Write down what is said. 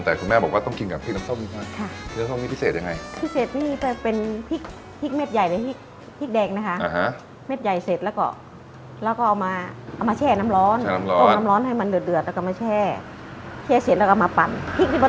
แต่คุณแม่บอกว่าจะต้องกินน้ำส้มกับพริกน้ำส้มค่ะอเรนนี่ไง